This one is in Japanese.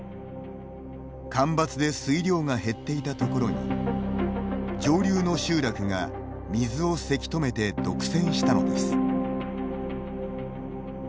干ばつで水量が減っていたところに上流の集落が水をせき止めて独占したのです。